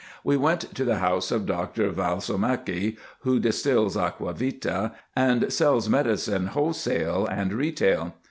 We went to the house of Doctor Valsomaky, who distils aqua vita, and sells medicines wholesale and retail.